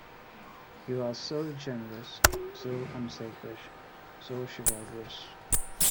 You are so generous, so unselfish, so chivalrous.